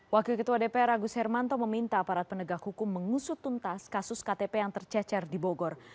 wakil ketua dpr agus hermanto meminta aparat penegak hukum mengusut tuntas kasus ktp yang tercecer di bogor